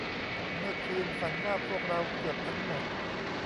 เมื่อคืนฝันว่าพวกเราเกือบทั้งหมด